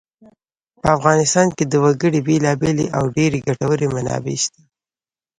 په افغانستان کې د وګړي بېلابېلې او ډېرې ګټورې منابع شته.